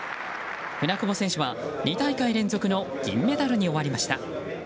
舟久保選手は２大会連続の銀メダルに終わりました。